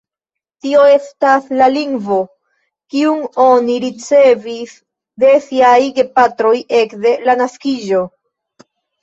Tio estas la lingvo, kiun oni ricevis de siaj gepatroj ekde la naskiĝo.